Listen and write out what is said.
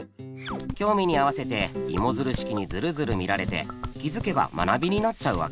興味に合わせてイモヅル式にヅルヅル見られて気づけば学びになっちゃうわけ。